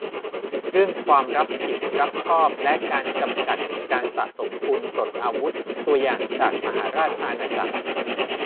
- เรื่องความรับผิดรับชอบและการจำกัดการสะสมทุน-"ปลดอาวุธ" ตัวอย่างจากสหราชอาณาจักร